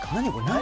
何！？